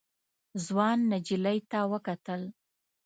ځوان نجلۍ ته وکتل.